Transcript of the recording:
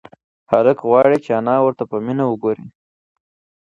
هلک غواړي چې انا ورته په مینه وگوري.